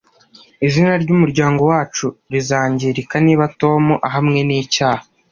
Izina ryumuryango wacu rizangirika niba Tom ahamwe n'icyaha